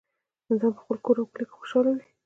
انسان په خپل کور او کلي کې خوشحاله وي